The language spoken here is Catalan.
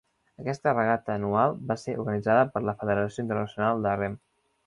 Aquesta regata anual va ser organitzada per la Federació Internacional de Rem.